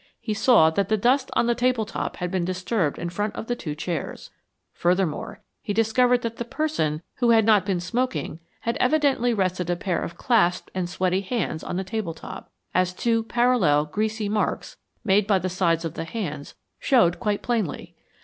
He saw that the dust on the table top had been disturbed in front of the two chairs. Furthermore, he discovered that the person who had not been smoking had evidently rested a pair of clasped and sweaty hands on the table top, as two parallel, greasy marks, made by the sides of the hands, showed quite plainly.